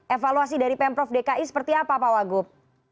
evaluasi dari pemprov dki seperti apa pak wagub